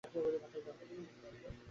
পটল তাড়াতাড়ি যতীনকে ডাকিয়া পাঠাইল।